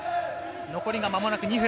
残りがまもなく２分。